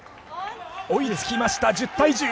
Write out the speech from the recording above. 追いつきました１０対１０。